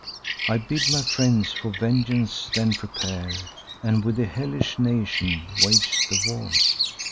I bid my friends for vengeance then prepare, And with the hellish nation wage the war.